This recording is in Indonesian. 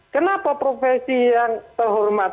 kenapa profesi yang terhormat